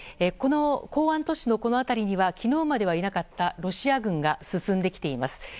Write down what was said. この港湾都市のこの辺りには昨日まではいなかったロシア軍が進んできています。